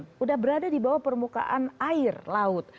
sudah berada di bawah permukaan air laut